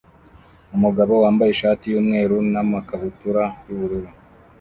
Umugabo wambaye ishati yumweru namakabutura yubururu